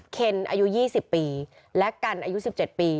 เคนอายุ๒๐ปีและกันอายุ๑๗ปี